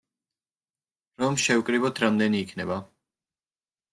რომ შევკრიბოთ, რამდენი იქნება?